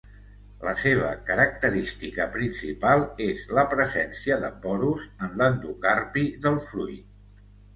La seva característica principal és la presència de porus en l'endocarpi del fruit.